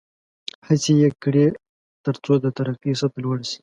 هڅې یې کړې ترڅو د ترقۍ سطحه لوړه شي.